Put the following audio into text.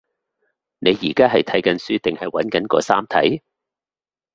你而家係睇緊書定係揾緊嗰三題？